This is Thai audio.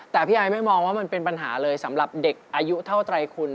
แต่พี่ไอไม่มองว่ามันเป็นปัญหาเลยสำหรับเด็กอายุเท่าไตรคุณ